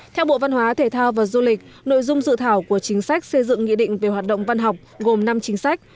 theo bộ văn hóa thể thao và du lịch nội dung dự thảo của chính sách xây dựng nghị định về hoạt động văn học gồm năm chính sách